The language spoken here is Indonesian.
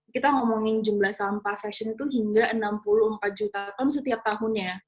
kita ngomongin jumlah sampah fashion itu hingga enam puluh empat juta ton setiap tahunnya